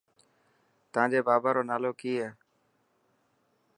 تانجي بابا رو نالو ڪي هي.